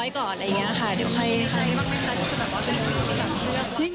เดี๋ยวใครจะใช้บัคเมนต์รักษณ์สำหรับว่าจะช่วยที่การเลือก